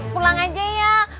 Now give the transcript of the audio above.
pulang aja ya